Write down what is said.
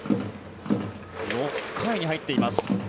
６回に入っています。